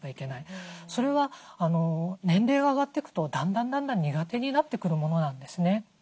それは年齢が上がっていくとだんだん苦手になってくるものなんですね。